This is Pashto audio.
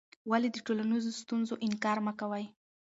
ولې د ټولنیزو ستونزو انکار مه کوې؟